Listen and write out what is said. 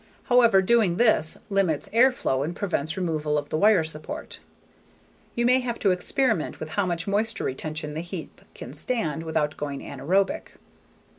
However, doing this limits air flow and prevents removal of the wire support You may have to experiment with how much moisture retention the heap can stand without going anaerobic.